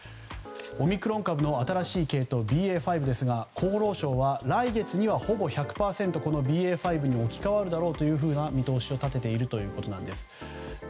オミクロン株の新しい系統ＢＡ．５ですが厚労省は来月にはほぼ１００％ＢＡ．５に置き換わるだろうという見通しを立てています。